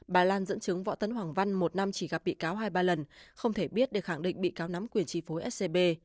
bà lan dẫn chứng võ tấn hoàng văn một năm chỉ gặp bị cáo hai ba lần không thể biết để khẳng định bị cáo nắm quyền chi phối scb